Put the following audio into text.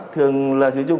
thường là sử dụng